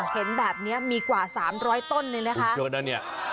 เห็นแบบนี้มีกว่า๓๐๐ต้นเลยนะคะ